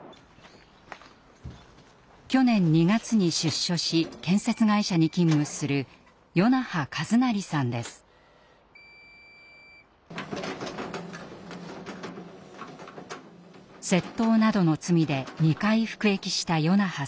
去年２月に出所し建設会社に勤務する窃盗などの罪で２回服役した與那覇さん。